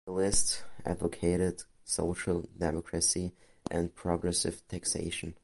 The list advocated social democracy and progressive taxation.